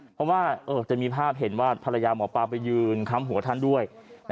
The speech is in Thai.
เพราะว่าจะมีภาพเห็นว่าภรรยาหมอปลาไปยืนค้ำหัวท่านด้วย